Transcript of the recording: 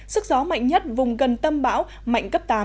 sức gió mạnh nhất vùng gần tâm bão mạnh cấp tám